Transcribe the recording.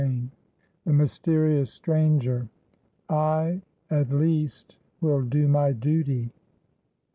CHAPTER II. THE MYSTERIOUS STRANGER. "I at least will do my duty."